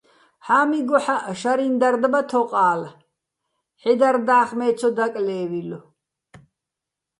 ჰ̦ა́მიგოჰ̦აჸ შარიჼ დარდ ბა თოყა́ლ, ჰ̦ე დარდა́ხ მე ცო დაკლე́ვილო̆.